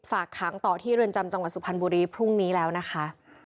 ฝากค้างต่อที่เรือนจำจังหวัดสุพรรณบุรีพรุ่งนี้แล้วนะคะ